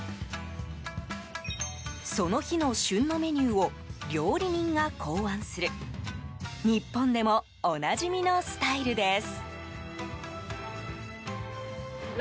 その日の旬のメニューを料理人が考案する日本でもおなじみのスタイルです。